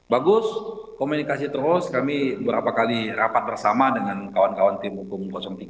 bagus komunikasi terus kami berapa kali rapat bersama dengan kawan kawan tim hukum tiga